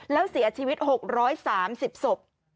แล้วเสียชีวิต๖๓๐ศพ